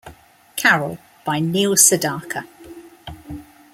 Carol by Neil Sedaka.